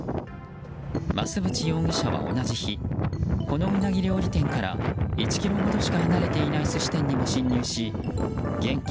増渕容疑者は同じ日このウナギ料理店から１ｋｍほどしか離れていない寿司店にも侵入し現金